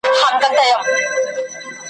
تاسي یې وګوری چي له هغه څخه څه راباسی ,